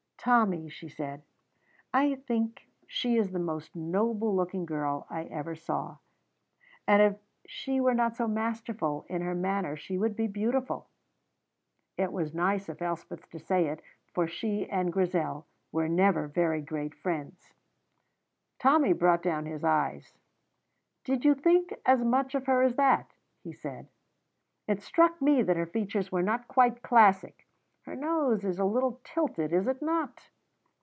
"Tommy," she said, "I think she is the most noble looking girl I ever saw, and if she were not so masterful in her manner she would be beautiful." It was nice of Elspeth to say it, for she and Grizel were never very great friends. Tommy brought down his eyes. "Did you think as much of her as that?" he said. "It struck me that her features were not quite classic. Her nose is a little tilted, is it not?"